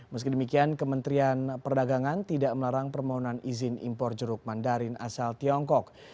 meski demikian kementerian perdagangan tidak melarang permohonan izin impor jeruk mandarin asal tiongkok